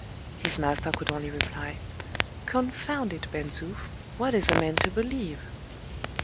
His master could only reply, "Confound it, Ben Zoof! What is a man to believe?"